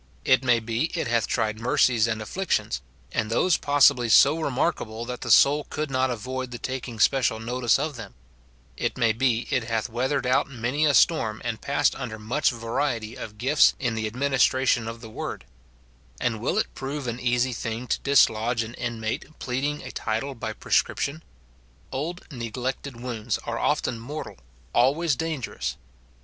It may be it hath tried mercies and afflictions, and those possibly so remarkable that the soul could not avoid the taking special notice of them ; it may be it hath weathered out many a storm, and passed under much variety of gifts in the adminis tration of the word ; and Avill it prove an easy thing to dislodge an inmate pleading a title by prescription ? Old neglected wounds are often mortal, always dangerous.